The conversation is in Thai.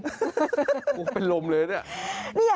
จริงเป็นลมเลยนี่